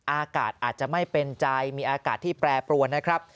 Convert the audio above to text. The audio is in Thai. อากาศอาจจะไม่เป็นใจมีอากาศที่แปรปรวนนะครับ